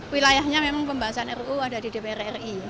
wilayahnya memang pembahasan ruu ada di dpr ri